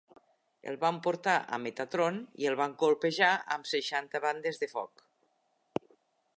El van portar a Metatron i el van colpejar amb seixanta bandes de foc.